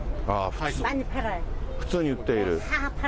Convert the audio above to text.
普通に売っている。